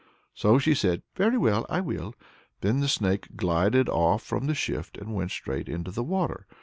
So she said, "Very well, I will." Then the snake glided off from the shift, and went straight into the water.